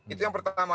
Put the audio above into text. itu yang pertama